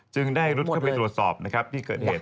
จึงได้รุดเข้าไปตรวจสอบนะครับที่เกิดเหตุ